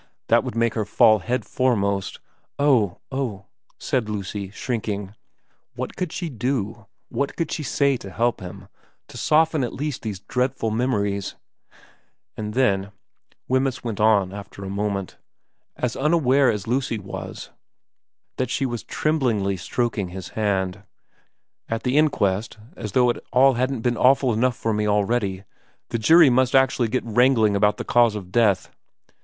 That would make her fall head foremost '' Oh oh ' said Lucy, shrinking. What could she do, what could she say to help him, to soften at least these dreadful memories ?' And then,' Wemyss went on after a moment, as unaware as Lucy was that she was tremblingly stroking his hand, ' at the inquest, as though it hadn't all been awful enough for me already, the jury must actually get wrangling about the cause of death.'